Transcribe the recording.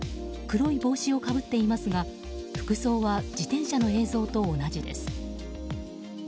黒い帽子をかぶっていますが服装は自転車の映像と同じです。